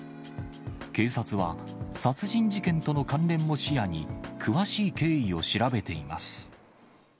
警察は、殺人事件との関連も視野に、詳しい経緯を調べています。